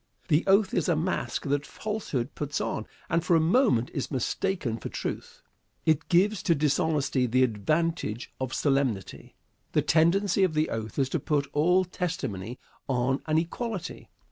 The oath is a mask that falsehood puts on, and for a moment is mistaken for truth. It gives to dishonesty the advantage of solemnity. The tendency of the oath is to put all testimony on an equality.